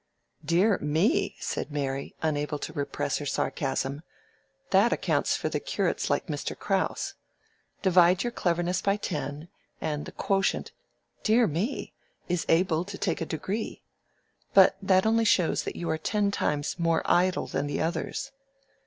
"Dear me!" said Mary, unable to repress her sarcasm; "that accounts for the curates like Mr. Crowse. Divide your cleverness by ten, and the quotient—dear me!—is able to take a degree. But that only shows you are ten times more idle than the others."